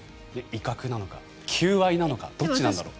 威嚇なのか求愛なのかどっちなんだろう。